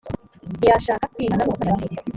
ntiyashaka kwihana ubusambanyi bwe